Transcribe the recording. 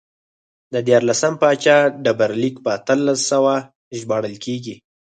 د دیارلسم پاچا ډبرلیک په اتلس سوی ژباړل کېږي